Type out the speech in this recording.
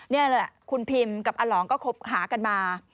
นี่แหละคุณพิมกับอลองก็คบหากันมา